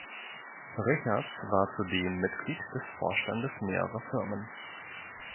Richards war zudem Mitglied des Vorstandes mehrerer Firmen.